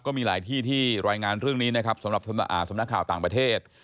ก็มีหลายที่ที่รายงานเรื่องนี้นะครับสำหรับสำนักข่าวต่างประเทศ